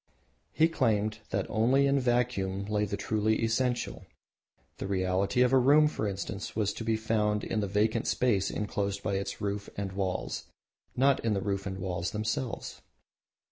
He claimed that only in vacuum lay the truly essential. The reality of a room, for instance, was to be found in the vacant space enclosed by the roof and the walls, not in the roof and walls themselves.